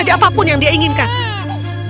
tidak apapun yang dia inginkan